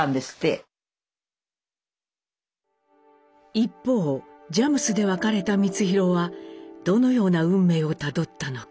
一方佳木斯で別れた光宏はどのような運命をたどったのか。